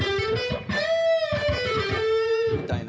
みたいな。